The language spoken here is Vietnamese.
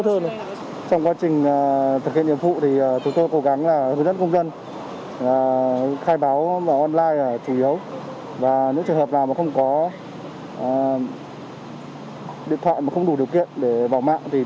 trong quá trình kê khai tại trạm chốt kiểm soát